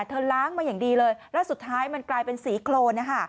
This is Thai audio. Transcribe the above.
ล้างมาอย่างดีเลยแล้วสุดท้ายมันกลายเป็นสีโครนนะคะ